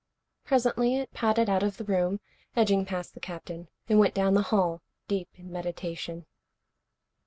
Presently it padded out of the room, edging past the Captain. It went down the hall, deep in meditation.